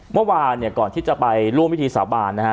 เมื่อวานเนี่ยก่อนที่จะไปร่วมพิธีสาบานนะฮะ